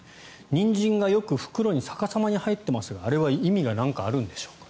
ニンジンがよく袋に逆さまに入っていますがあれは意味が何かあるんでしょうか？